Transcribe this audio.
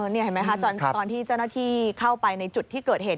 นี่เห็นไหมคะตอนที่เจ้าหน้าที่เข้าไปในจุดที่เกิดเหตุ